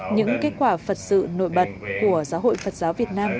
những kết quả phật sự nội bật của giáo hội phật giáo việt nam